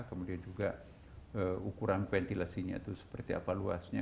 kemudian juga ukuran ventilasinya itu seperti apa luasnya